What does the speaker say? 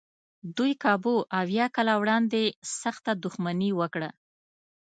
دوی کابو اویا کاله وړاندې سخته دښمني وکړه.